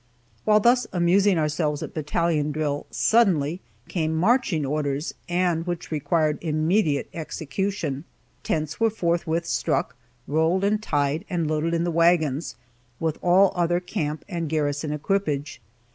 While thus amusing ourselves at battalion drill suddenly came marching orders, and which required immediate execution. Tents were forthwith struck, rolled and tied, and loaded in the wagons, with all other camp and garrison equipage.